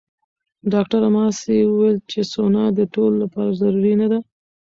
ډاکټره ماسي وویل چې سونا د ټولو لپاره ضروري نه ده.